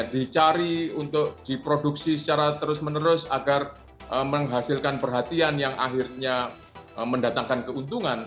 nah itu bukanlah sebuah konten yang harus dicari untuk diproduksi secara terus menerus agar menghasilkan perhatian yang akhirnya mendatangkan keuntungan